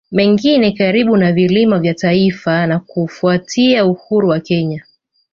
Mengine karibu na Vilima vya Taita na Kufuatia uhuru wa Kenya